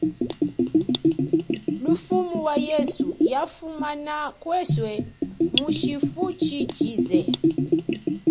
Lufuma wa yesu yafumana kweswe muchifuchichize.